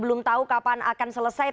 belum tahu kapan akan selesai